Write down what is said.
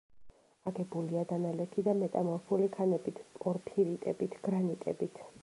აგებულია დანალექი და მეტამორფული ქანებით, პორფირიტებით, გრანიტებით.